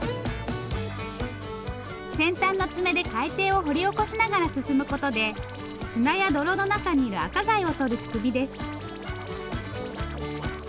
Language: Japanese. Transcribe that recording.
先端の爪で海底を掘り起こしながら進むことで砂や泥の中にいる赤貝をとる仕組みです。